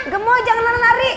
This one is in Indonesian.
gemoy jangan lari lari